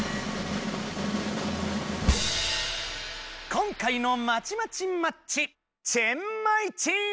今回のまちまちマッチチェンマイチームの勝ち！